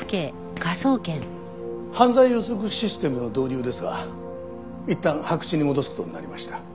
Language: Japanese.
犯罪予測システムの導入ですがいったん白紙に戻す事になりました。